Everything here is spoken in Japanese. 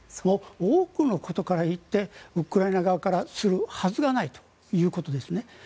多くのことから言ってウクライナ側からするはずがないということですね。